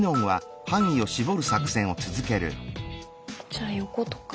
じゃあ横とか？